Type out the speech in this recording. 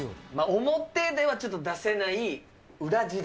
表ではちょっと出せない裏地鶏。